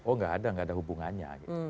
oh gak ada gak ada hubungannya